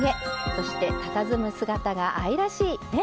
そしてたたずむ姿が愛らしいね